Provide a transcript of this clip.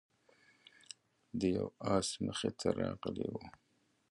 د یو آس مخې ته راغلی و،